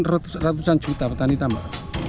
ratusan juta petani tambah